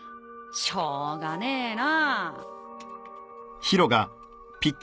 しょうがねえなぁ。